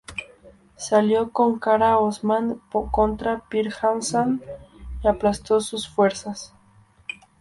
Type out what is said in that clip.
Se alió con Qara Osman contra Pir Hasan y aplastó sus fuerzas.